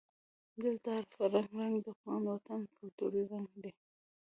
دلته هر فرهنګي رنګ د افغان وطن کلتوري رنګ دی.